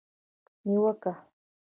نیوکه